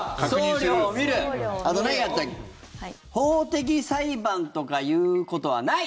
あと法的裁判とか言うことはない。